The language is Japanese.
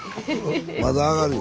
まだ上がるよ。